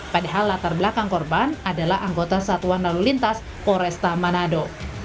padahal latar belakang korban adalah anggota satuan lalu lintas polresta manado